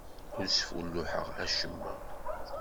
Ur sfulluḥeɣ acemma.